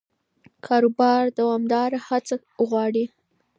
کاروبار دوامداره هڅه غواړي.